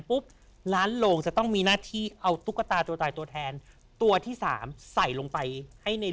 ปุ๊บล้านโรงจะต้องมีหน้าที่